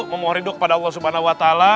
memohon hidup kepada allah swt